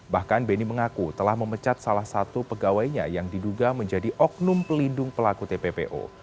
bahkan beni mengaku telah memecat salah satu pegawainya yang diduga menjadi oknum pelindung pelaku tppo